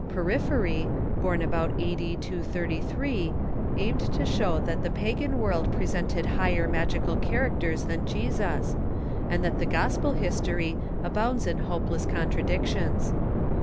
Porphyry, born about a.d. 233, aimed to show that the pagan world presented higher magical characters than Jesus, and that the gospel history abounds in hopeless contradictions.